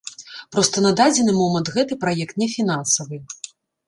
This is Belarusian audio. Проста на дадзены момант гэта праект не фінансавы.